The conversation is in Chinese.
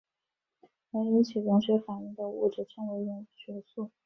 能引起溶血反应的物质称为溶血素。